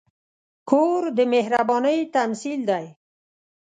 کور د مهربانۍ تمثیل دی.